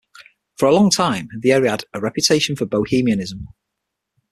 For a long time the area had a reputation for bohemianism.